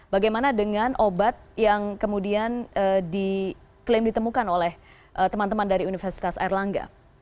bagaimana dengan obat yang kemudian diklaim ditemukan oleh teman teman dari universitas erlangga